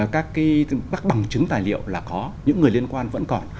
các bằng chứng tài liệu là có những người liên quan vẫn còn